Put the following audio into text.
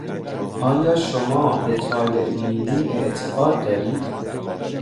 آیا شما به طالعبینی اعتقاد دارید؟